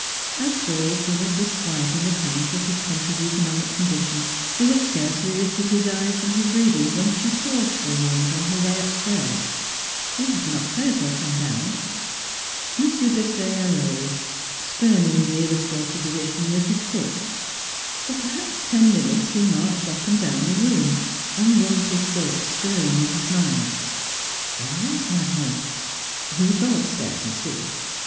Absorbed in a disquieting account of his country's economic condition, he had scarcely lifted his eyes from his reading when she paused for a moment on her way upstairs. ..,. He had not heard her come down. 347 348 NEIGHBORS M. Desaye arose, spurning the illustrated edi tion with his foot. For perhaps ten minutes he marched up and down the room, unwonted thoughts stirring in his mind. ... Where was Madeleine? He would go upstairs and see.